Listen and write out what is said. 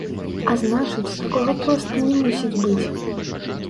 А значыць, такога проста не мусіць быць.